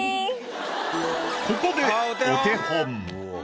ここでお手本。